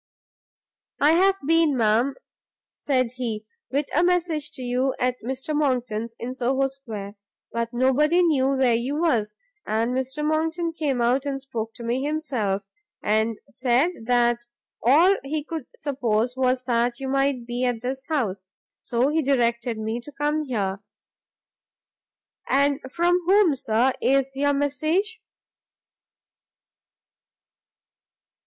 "I have been, madam," said he, "with a message to you at Mr Monckton's, in Soho Square: but nobody knew where you was; and Mr Monckton came out and spoke to me himself, and said that all he could suppose was that you might be at this house. So he directed me to come here." "And from whom, Sir, is your message?"